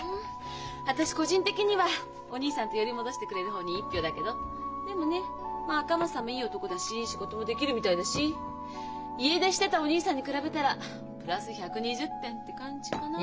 私個人的にはお義兄さんとヨリ戻してくれる方に一票だけどでもね赤松さんもいい男だし仕事もできるみたいだし家出してたお義兄さんに比べたらプラス１２０点って感じかな。